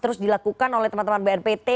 terus dilakukan oleh teman teman bnpt